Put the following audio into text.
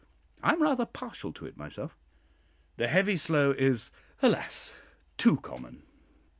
I am rather partial to it myself. The "heavy slow" is, alas! too common.